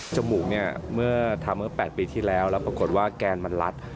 จมูกเมื่อทำ๘ปีที่แล้วแล้วปรากฏว่าแกนมันลัด